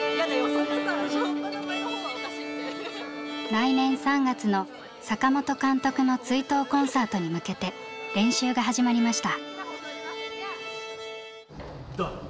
来年３月の坂本監督の追悼コンサートに向けて練習が始まりました。